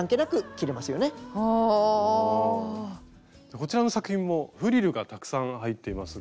こちらの作品もフリルがたくさん入っていますが。